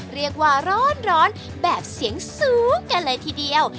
เรียกว่าร้อนแบบเสียงสูงกันเลยทีเดียว